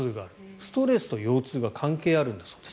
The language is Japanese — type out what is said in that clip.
ストレスと腰痛が関係あるんだそうです。